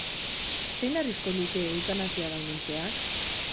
Zein arrisku luke eutanasia baimentzeak?